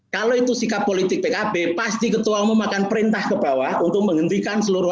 kalau itu sikap politik pkb pasti ketua umum akan perintah ke bawah untuk menghentikan seluruh